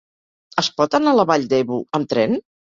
Es pot anar a la Vall d'Ebo amb tren?